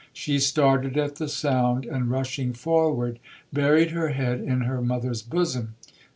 She started at the sound, and, rushing forward, buried her head in her mother's bosom.